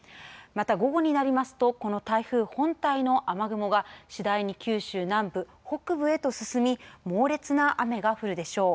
また、午後になりますとこの台風本体の雨雲が次第に九州南部北部へと進み猛烈な雨が降るでしょう。